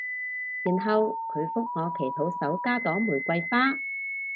然後佢覆我祈禱手加朵玫瑰花